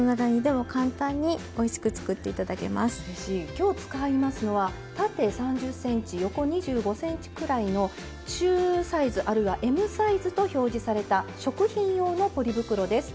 今日使いますのは縦３０ｃｍ横２５ｃｍくらいの中サイズあるいはＭサイズと表示された食品用のポリ袋です。